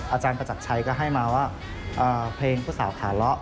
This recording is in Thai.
อาจารย์ประจักรชัยก็ให้มาว่าเพลงผู้สาวขาเลาะ